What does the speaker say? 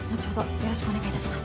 よろしくお願いします。